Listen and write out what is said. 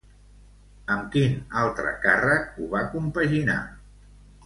Amb quin altre càrrec ho va compaginar?